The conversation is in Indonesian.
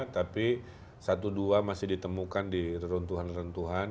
tapi satu dua masih ditemukan di runtuhan rakyat